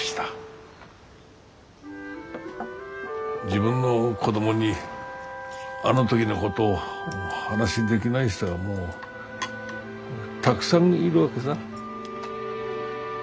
自分の子供にあの時のことを話できない人がもうたくさんいるわけさ。